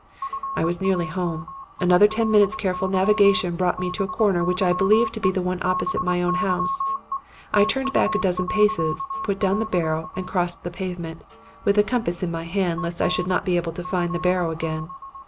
"I was nearly home. Another ten minutes' careful navigation brought me to a corner which I believed to be the one opposite my own house. I turned back a dozen paces, put down the barrow and crossed the pavement with the compass in my hand, lest I should not be able to find the barrow again.